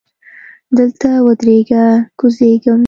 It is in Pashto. دلته ودریږه! کوزیږم.